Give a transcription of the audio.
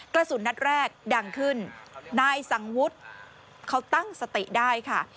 กระสุนนัดแรกดังขึ้นนายสังวุฒิเขาตั้งสติได้ค่ะ